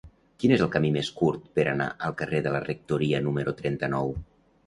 Quin és el camí més curt per anar al carrer de la Rectoria número trenta-nou?